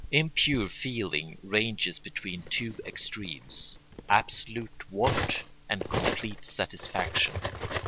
Impure feeling ranges between two extremes: absolute want and complete satisfaction.